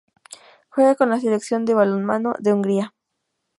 Juega con la Selección de balonmano de Hungría.